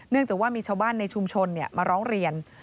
จากว่ามีชาวบ้านในชุมชนมาร้องเรียน